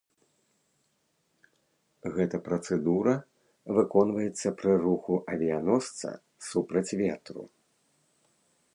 Гэта працэдура выконваецца пры руху авіяносца супраць ветру.